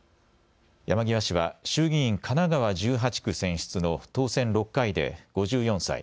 山際氏は衆議院神奈川１８区選出の当選６回で５４歳。